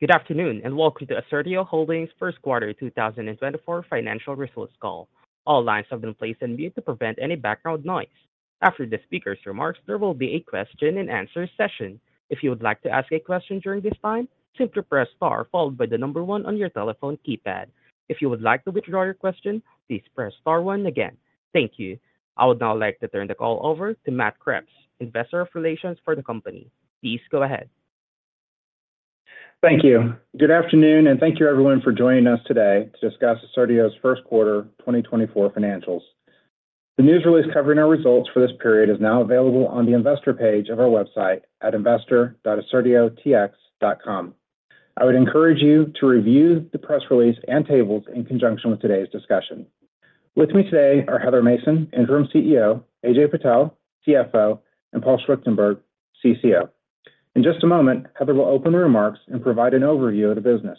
Good afternoon and welcome to Assertio Holdings' First Quarter 2024 Financial Results Call. All lines have been placed on mute to prevent any background noise. After the speaker's remarks, there will be a Q&A session. If you would like to ask a question during this time, simply press star followed by the number 1 on your telephone keypad. If you would like to withdraw your question, please press star again. Thank you. I would now like to turn the call over to Matt Kreps, Investor Relations for the company. Please go ahead. Thank you. Good afternoon, and thank you everyone for joining us today to discuss Assertio's First Quarter 2024 Financials. The news release covering our results for this period is now available on the investor page of our website at investor.assertiotx.com. I would encourage you to review the press release and tables in conjunction with today's discussion. With me today are Heather Mason, Interim CEO; Ajay Patel, CFO; and Paul Schwichtenberg, CCO. In just a moment, Heather will open the remarks and provide an overview of the business.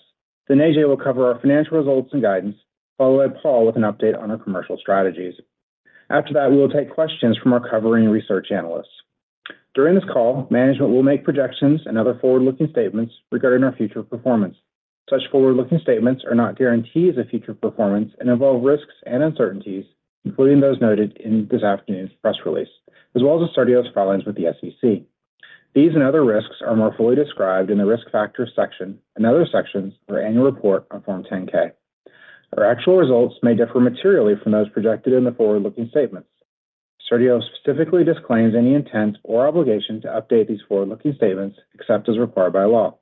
Then Ajay will cover our financial results and guidance, followed by Paul with an update on our commercial strategies. After that, we will take questions from our covering research analysts. During this call, management will make projections and other forward-looking statements regarding our future performance. Such forward-looking statements are not guarantees of future performance and involve risks and uncertainties, including those noted in this afternoon's press release, as well as Assertio's filings with the SEC. These and other risks are more fully described in the Risk Factors section and other sections of our annual report on Form 10-K. Our actual results may differ materially from those projected in the forward-looking statements. Assertio specifically disclaims any intent or obligation to update these forward-looking statements except as required by law.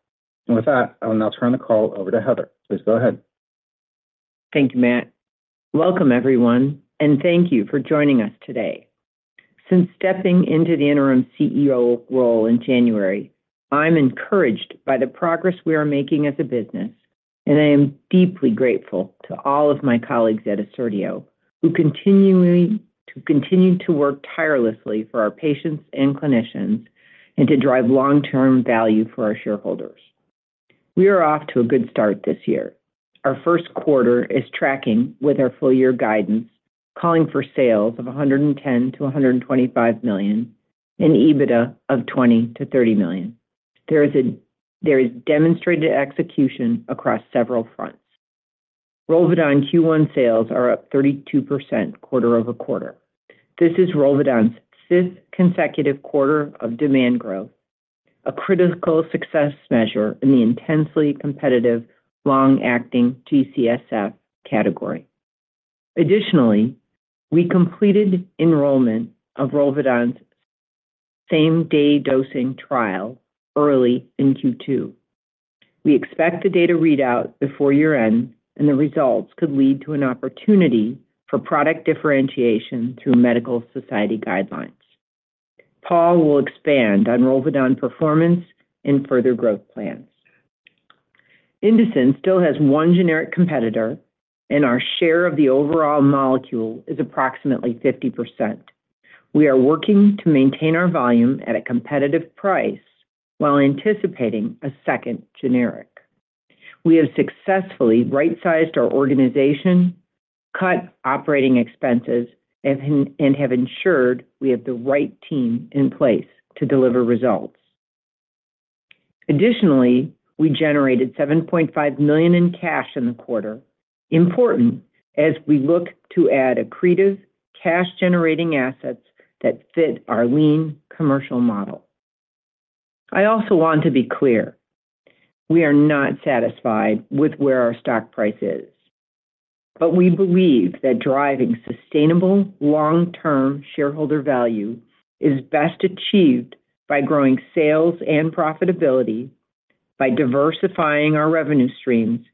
With that, I will now turn the call over to Heather. Please go ahead. Thank you, Matt. Welcome, everyone, and thank you for joining us today. Since stepping into the interim CEO role in January, I'm encouraged by the progress we are making as a business, and I am deeply grateful to all of my colleagues at Assertio who continuing, to continue to work tirelessly for our patients and clinicians and to drive long-term value for our shareholders. We are off to a good start this year. Our first quarter is tracking, with our full-year guidance, calling for sales of $110 million-$125 million and EBITDA of $20 million-$30 million. There is demonstrated execution across several fronts. Rolvedon Q1 sales are up 32% quarter-over-quarter. This is Rolvedon's fifth consecutive quarter of demand growth, a critical success measure in the intensely competitive long-acting G-CSF category. Additionally, we completed enrollment of Rolvedon's same-day dosing trial early in Q2. We expect the data readout before year-end, and the results could lead to an opportunity for product differentiation through medical society guidelines. Paul will expand on Rolvedon performance and further growth plans. Indocin still has one generic competitor, and our share of the overall molecule is approximately 50%. We are working to maintain our volume at a competitive price while anticipating a second generic. We have successfully right-sized our organization, cut operating expenses, and have ensured we have the right team in place to deliver results. Additionally, we generated $7.5 million in cash in the quarter, important as we look to add accretive, cash-generating assets that fit our lean commercial model. I also want to be clear: we are not satisfied with where our stock price is. But we believe that driving sustainable long-term shareholder value is best achieved by growing sales and profitability, by diversifying our revenue streams,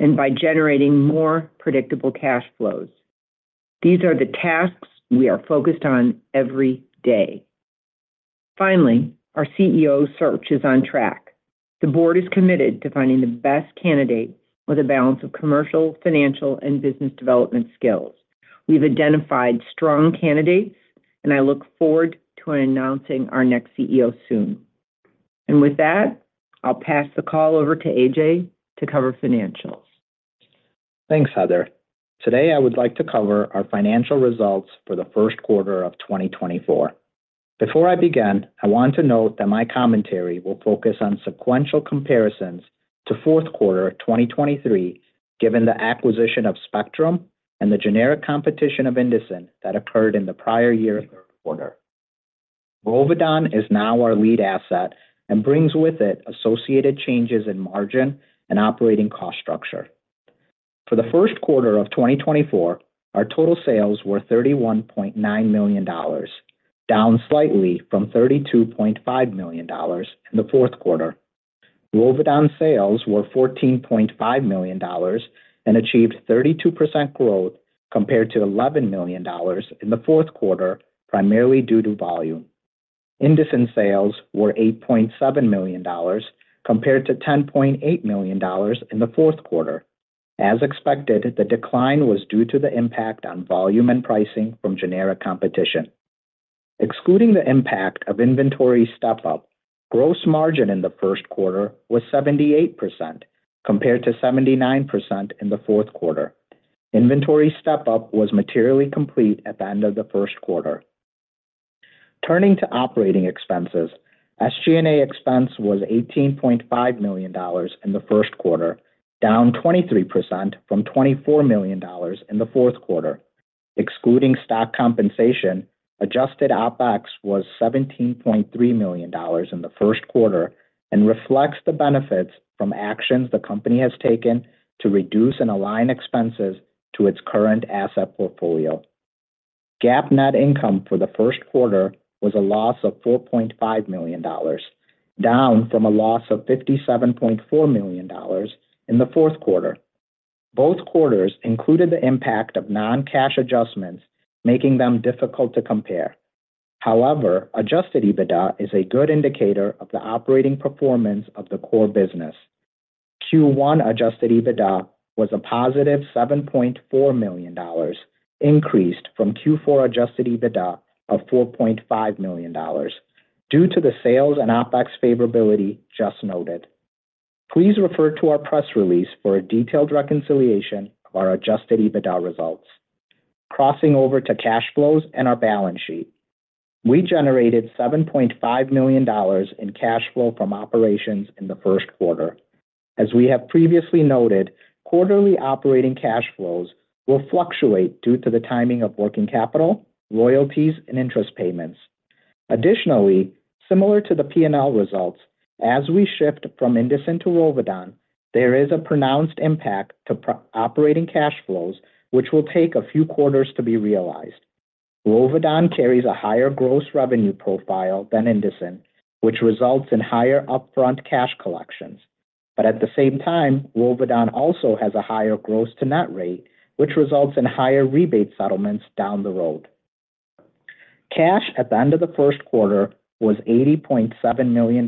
and by generating more predictable cash flows. These are the tasks we are focused on every day. Finally, our CEO search is on track. The board is committed to finding the best candidate with a balance of commercial, financial, and business development skills. We've identified strong candidates, and I look forward to announcing our next CEO soon. And with that, I'll pass the call over to Ajay to cover financials. Thanks, Heather. Today I would like to cover our financial results for the first quarter of 2024. Before I begin, I want to note that my commentary will focus on sequential comparisons to fourth quarter 2023 given the acquisition of Spectrum and the generic competition of Indocin that occurred in the prior year's third quarter. Rolvedon is now our lead asset and brings with it associated changes in margin and operating cost structure. For the first quarter of 2024, our total sales were $31.9 million, down slightly from $32.5 million in the fourth quarter. Rolvedon sales were $14.5 million and achieved 32% growth compared to $11 million in the fourth quarter, primarily due to volume. Indocin sales were $8.7 million compared to $10.8 million in the fourth quarter. As expected, the decline was due to the impact on volume and pricing from generic competition. Excluding the impact of inventory step-up, gross margin in the first quarter was 78% compared to 79% in the fourth quarter. Inventory step-up was materially complete at the end of the first quarter. Turning to operating expenses, SG&A expense was $18.5 million in the first quarter, down 23% from $24 million in the fourth quarter. Excluding stock compensation, Adjusted OpEx was $17.3 million in the first quarter and reflects the benefits from actions the company has taken to reduce and align expenses to its current asset portfolio. GAAP net income for the first quarter was a loss of $4.5 million, down from a loss of $57.4 million in the fourth quarter. Both quarters included the impact of non-cash adjustments, making them difficult to compare. However, Adjusted EBITDA is a good indicator of the operating performance of the core business. Q1 Adjusted EBITDA was a positive $7.4 million, increased from Q4 Adjusted EBITDA of $4.5 million due to the sales and OpEx favorability just noted. Please refer to our press release for a detailed reconciliation of our Adjusted EBITDA results. Crossing over to cash flows and our balance sheet. We generated $7.5 million in cash flow from operations in the first quarter. As we have previously noted, quarterly operating cash flows will fluctuate due to the timing of working capital, royalties, and interest payments. Additionally, similar to the P&L results, as we shift from Indocin to Rolvedon, there is a pronounced impact to operating cash flows, which will take a few quarters to be realized. Rolvedon carries a higher gross revenue profile than Indocin, which results in higher upfront cash collections. But at the same time, Rolvedon also has a higher gross-to-net rate, which results in higher rebate settlements down the road. Cash at the end of the first quarter was $80.7 million,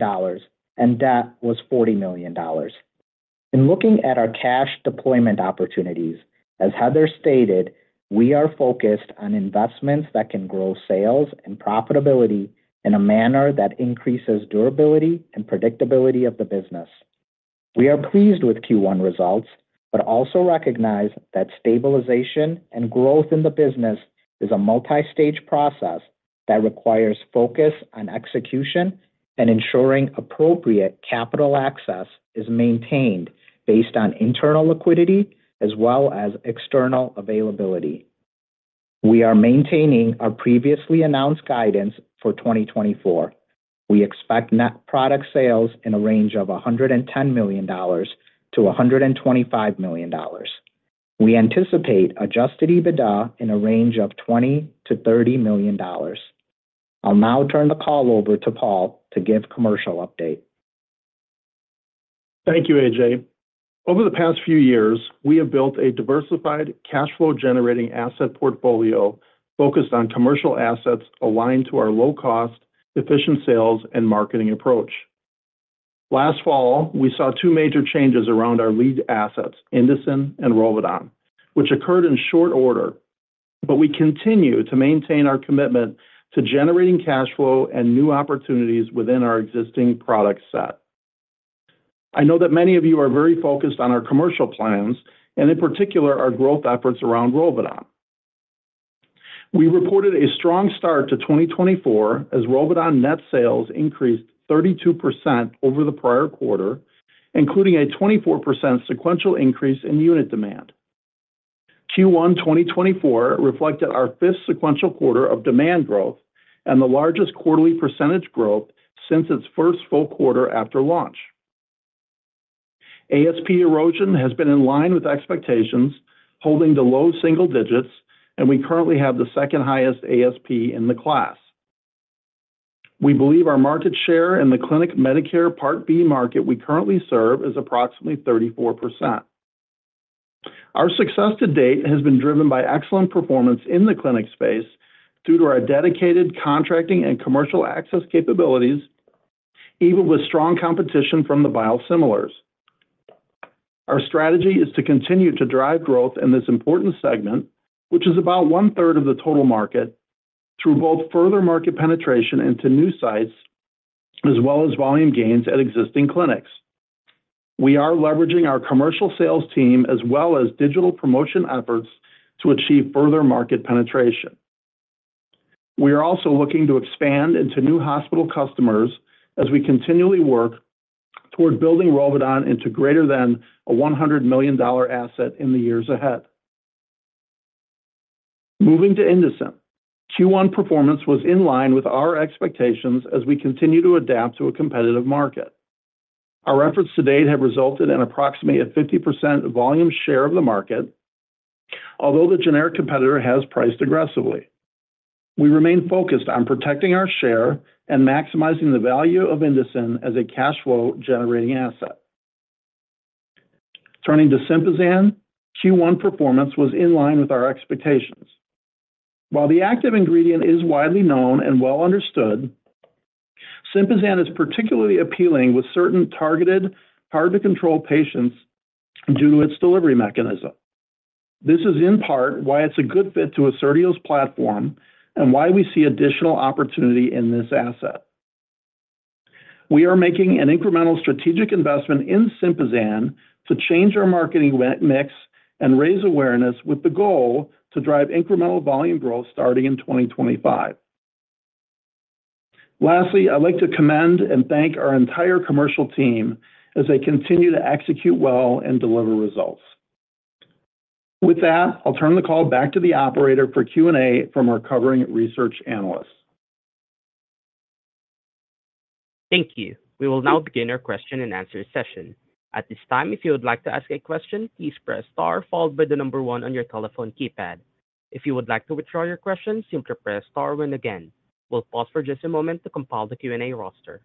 and debt was $40 million. In looking at our cash deployment opportunities, as Heather stated, we are focused on investments that can grow sales and profitability in a manner that increases durability and predictability of the business. We are pleased with Q1 results but also recognize that stabilization and growth in the business is a multi-stage process that requires focus on execution and ensuring appropriate capital access is maintained based on internal liquidity as well as external availability. We are maintaining our previously announced guidance for 2024. We expect net product sales in a range of $110 million-$125 million. We anticipate Adjusted EBITDA in a range of $20 million-$30 million. I'll now turn the call over to Paul to give a commercial update. Thank you, Ajay. Over the past few years, we have built a diversified cash flow-generating asset portfolio focused on commercial assets aligned to our low-cost, efficient sales, and marketing approach. Last fall, we saw 2 major changes around our lead assets, Indocin and Rolvedon, which occurred in short order, but we continue to maintain our commitment to generating cash flow and new opportunities within our existing product set. I know that many of you are very focused on our commercial plans, and in particular, our growth efforts around Rolvedon. We reported a strong start to 2024 as Rolvedon net sales increased 32% over the prior quarter, including a 24% sequential increase in unit demand. Q1 2024 reflected our fifth sequential quarter of demand growth and the largest quarterly percentage growth since its first full quarter after launch. ASP erosion has been in line with expectations, holding the low single digits, and we currently have the second highest ASP in the class. We believe our market share in the clinic Medicare Part B market we currently serve is approximately 34%. Our success to date has been driven by excellent performance in the clinic space due to our dedicated contracting and commercial access capabilities, even with strong competition from the biosimilars. Our strategy is to continue to drive growth in this important segment, which is about one-third of the total market, through both further market penetration into new sites as well as volume gains at existing clinics. We are leveraging our commercial sales team as well as digital promotion efforts to achieve further market penetration. We are also looking to expand into new hospital customers as we continually work toward building Rolvedon into greater than a $100 million asset in the years ahead. Moving to Indocin, Q1 performance was in line with our expectations as we continue to adapt to a competitive market. Our efforts to date have resulted in approximately a 50% volume share of the market, although the generic competitor has priced aggressively. We remain focused on protecting our share and maximizing the value of Indocin as a cash flow-generating asset. Turning to Sympazan, Q1 performance was in line with our expectations. While the active ingredient is widely known and well understood, Sympazan is particularly appealing with certain targeted, hard-to-control patients due to its delivery mechanism. This is in part why it's a good fit to Assertio's platform and why we see additional opportunity in this asset. We are making an incremental strategic investment in Sympazan to change our marketing mix and raise awareness with the goal to drive incremental volume growth starting in 2025. Lastly, I'd like to commend and thank our entire commercial team as they continue to execute well and deliver results. With that, I'll turn the call back to the operator for Q&A from our covering research analysts. Thank you. We will now begin our question and answer session. At this time, if you would like to ask a question, please press star followed by the number one on your telephone keypad. If you would like to withdraw your question, simply press star then again. We'll pause for just a moment to compile the Q&A roster.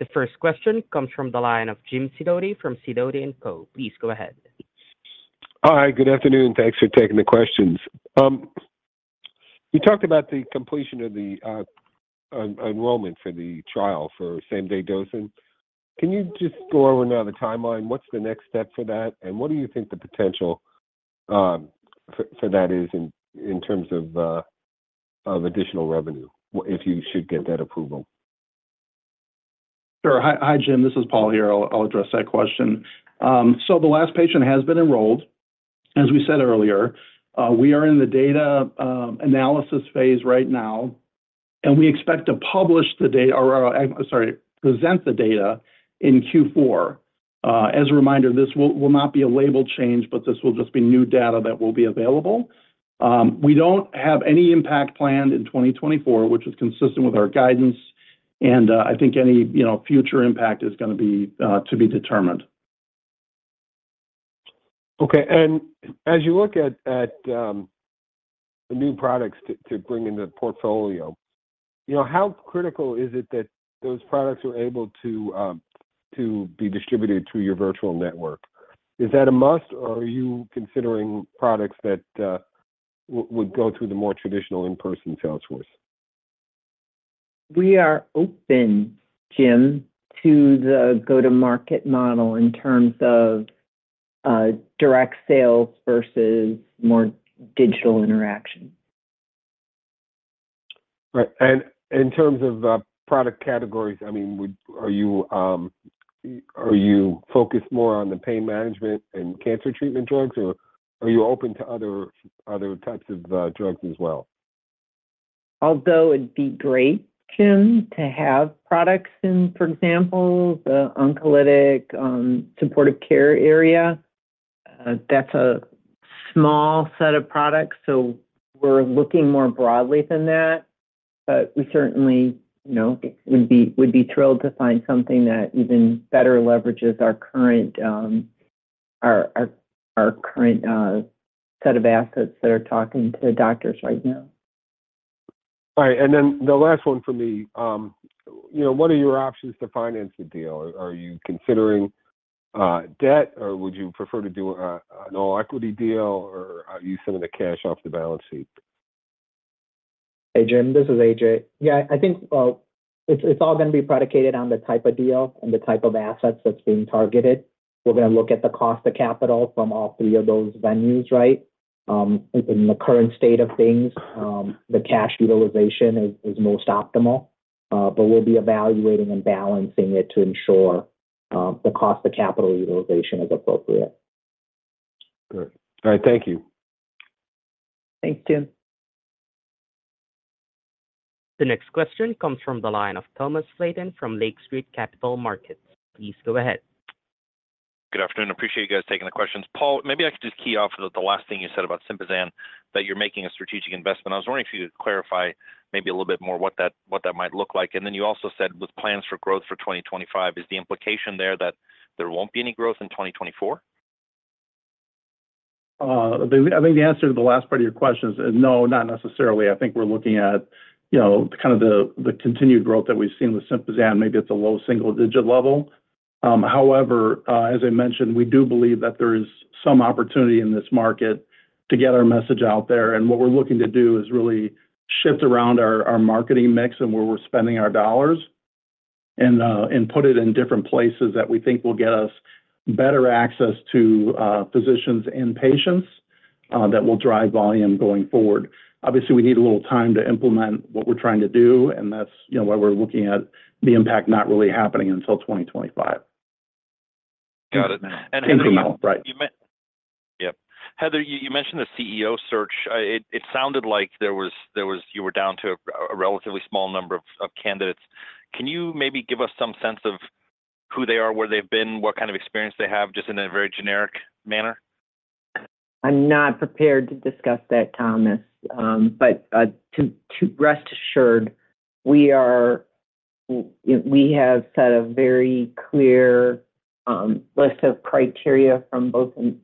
The first question comes from the line of Jim Sidoti from Sidoti & Company. Please go ahead. Hi, good afternoon. Thanks for taking the questions. You talked about the completion of the enrollment for the trial for same-day dosing. Can you just go over now the timeline? What's the next step for that, and what do you think the potential for that is in terms of additional revenue if you should get that approval? Sure. Hi, Jim. This is Paul here. I'll address that question. So the last patient has been enrolled. As we said earlier, we are in the data analysis phase right now, and we expect to publish the data or, sorry, present the data in Q4. As a reminder, this will not be a label change, but this will just be new data that will be available. We don't have any impact planned in 2024, which is consistent with our guidance, and I think any future impact is going to be to be determined. Okay. And as you look at the new products to bring into the portfolio, you know, how critical is it that those products are able to be distributed through your virtual network? Is that a must, or are you considering products that would go through the more traditional in-person sales force? We are open, Jim, to the go-to-market model in terms of direct sales versus more digital interaction. Right. And in terms of product categories, I mean, are you focused more on the pain management and cancer treatment drugs, or are you open to other types of drugs as well? Although it'd be great, Jim, to have products in, for example, the oncology supportive care area. That's a small set of products, so we're looking more broadly than that. We certainly, you know, would be thrilled to find something that even better leverages our current set of assets that are talking to doctors right now. All right. And then the last one for me. What are your options to finance the deal? Are you considering debt, or would you prefer to do an all-equity deal, or are you sending the cash off the balance sheet? Hey, Jim. This is Ajay. Yeah, I think it's all going to be predicated on the type of deal and the type of assets that's being targeted. We're going to look at the cost of capital from all three of those venues, right? In the current state of things, the cash utilization is most optimal, but we'll be evaluating and balancing it to ensure the cost of capital utilization is appropriate. Good. All right. Thank you. Thanks, Jim. The next question comes from the line of Thomas Flaten from Lake Street Capital Markets. Please go ahead. Good afternoon. Appreciate you guys taking the questions. Paul, maybe I could just key off the last thing you said about Sympazan, that you're making a strategic investment. I was wondering if you could clarify maybe a little bit more what that might, what that might look like. And then you also said with plans for growth for 2025, is the implication there that there won't be any growth in 2024? I think the answer to the last part of your question is no, not necessarily. I think we're looking at kind of the continued growth that we've seen with Sympazan. Maybe it's a low single-digit level. However, as I mentioned, we do believe that there is some opportunity in this market to get our message out there. And what we're looking to do is really shift around our marketing mix and where we're spending our dollars and put it in different places that we think will get us better access to physicians and patients that will drive volume going forward. Obviously, we need a little time to implement what we're trying to do, and that's why we're looking at the impact not really happening until 2025. Got it. And Heather. Incremental, right? Yep. Heather, you mentioned the CEO search. It sounded like you, there was, there was, were down to a relatively small number of candidates. Can you maybe give us some sense of who they are, where they've been, what kind of experience they have, just in a very generic manner? I'm not prepared to discuss that, Thomas. But rest assured, we are, we have set a very clear list of criteria from both an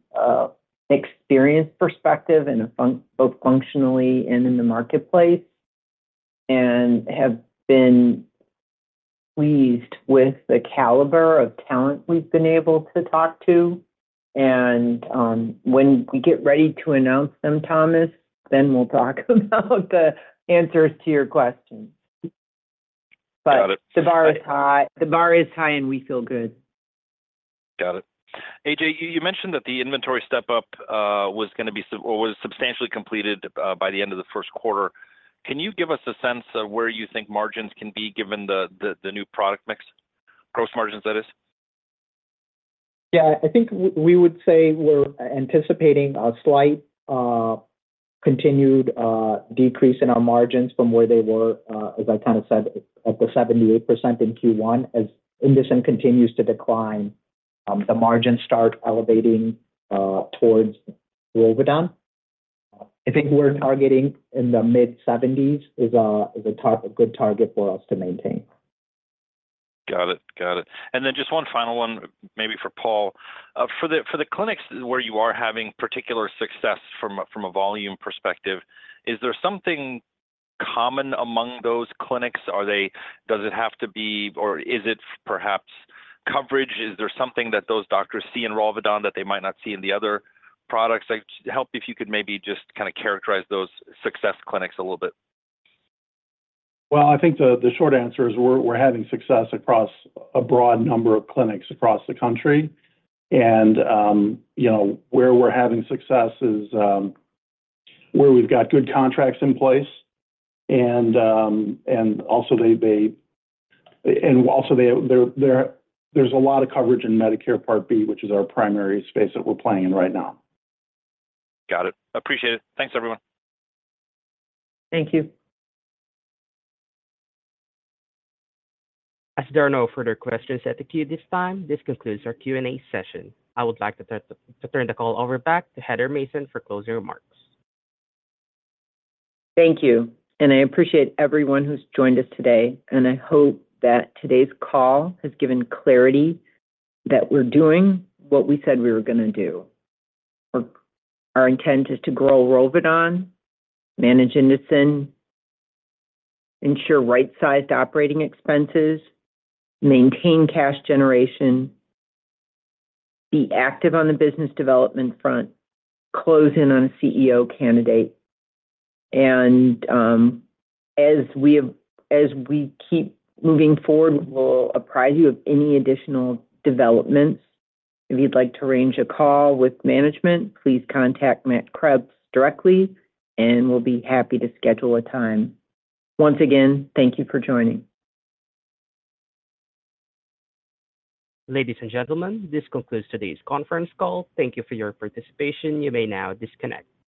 experience perspective and both functionally and in the marketplace and have been weaved with the caliber of talent we've been able to talk to. And when we get ready to announce them, Thomas, then we'll talk about the answers to your questions. But the bar is high, and we feel good. Got it. Ajay, you mentioned that the inventory step-up was going to be or was substantially completed by the end of the first quarter. Can you give us a sense of where you think margins can be given the the new product mix, gross margins, that is? Yeah. I think we would say we're anticipating a slight continued decrease in our margins from where they were, as I kind of said, at the 78% in Q1. As Indocin continues to decline, the margins start elevating towards Rolvedon. I think we're targeting in the mid-70s is a, is a good target for us to maintain. Got it. Got it. And then just one final one, maybe for Paul. For for the clinics where you are having particular success from, from a volume perspective, is there something common among those clinics? Does it have to be or is it perhaps coverage? Is there something that those doctors see in Rolvedon that they might not see in the other products? Help if you could maybe just kind of characterize those success clinics a little bit. Well, I think the short answer is we're having success across a broad number of clinics across the country. And you know, where we're having success is where we've got good contracts in place. And and also, they, they, also there's a lot of coverage in Medicare Part B, which is our primary space that we're playing in right now. Got it. Appreciate it. Thanks, everyone. Thank you. As there are no further questions at the queue this time, this concludes our Q&A session. I would like to turn the call over back to Heather Mason for closing remarks. Thank you. And I appreciate everyone who's joined us today. And I hope that today's call has given clarity that we're doing what we said we were going to do. Our intent is to grow Rolvedon, manage Indocin, ensure right-sized operating expenses, maintain cash generation, be active on the business development front, close in on a CEO candidate. And as we keep moving forward, we'll apprise you of any additional developments. If you'd like to arrange a call with management, please contact Matt Kreps directly, and we'll be happy to schedule a time. Once again, thank you for joining. Ladies and gentlemen, this concludes today's conference call. Thank you for your participation. You may now disconnect.